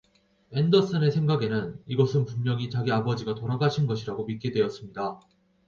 앤더슨의 생각에는 이것은 분명히 자기 아버지가 돌아가신 것이라고 믿게 되었습니다.